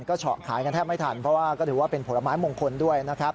ก็เฉาะขายกันแทบไม่ทันเพราะว่าก็ถือว่าเป็นผลไม้มงคลด้วยนะครับ